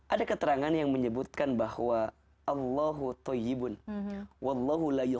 ada keterangan yang menyebutkan bahwa